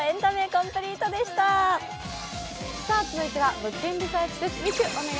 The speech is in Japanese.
続いては「物件リサーチ」です。